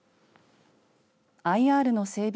ＩＲの整備